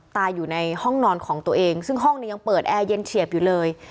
ตายอยู่ในห้องนอนของตัวเองซึ่งห้องเนี่ยยังเปิดแอร์เย็นเฉียบอยู่เลย